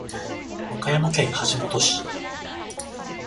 和歌山県橋本市